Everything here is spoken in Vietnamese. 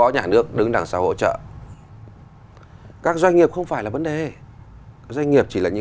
nhân dân pháp